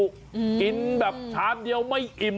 กินแบบชามเดียวไม่อิ่ม